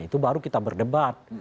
itu baru kita berdebat